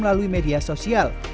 melalui media sosial